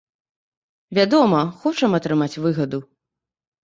Вядома, хочам атрымаць выгаду.